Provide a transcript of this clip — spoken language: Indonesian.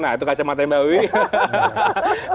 nah itu kacamata mbak wiwi